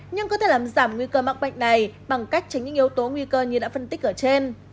nhưng có thể làm giảm nguy cơ mắc bệnh này bằng cách tránh những yếu tố nguy cơ như đã phân tích ở trên